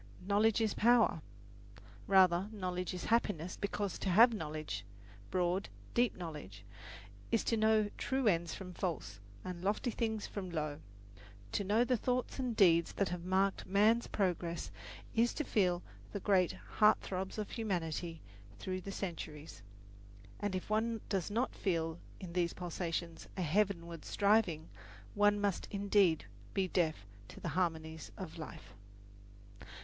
"Knowledge is power." Rather, knowledge is happiness, because to have knowledge broad, deep knowledge is to know true ends from false, and lofty things from low. To know the thoughts and deeds that have marked man's progress is to feel the great heart throbs of humanity through the centuries; and if one does not feel in these pulsations a heavenward striving, one must indeed be deaf to the harmonies of life.